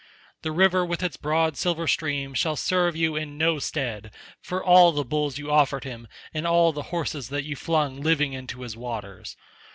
The river with its broad silver stream shall serve you in no stead, for all the bulls you offered him and all the horses that you flung living into his waters.